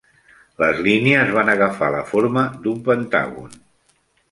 Les línies van agafar la forma d'un pentàgon.